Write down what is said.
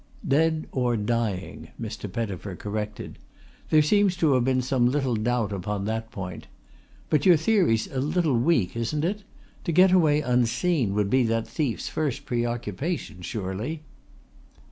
"Dead or dying," Mr. Pettifer corrected. "There seems to have been some little doubt upon that point. But your theory's a little weak, isn't it? To get away unseen would be that thief's first preoccupation, surely?"